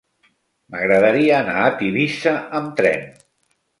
M'agradaria anar a Tivissa amb tren.